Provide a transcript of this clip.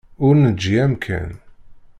Ur neǧǧi amkan.